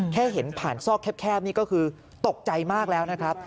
แค่เห็นผ่านซอกแคบนี่ก็คือตกใจมากแล้วนะครับ